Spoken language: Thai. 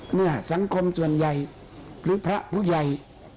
เมื่อสังคมส่วนใหญ่หรือพระผู้ใหญ่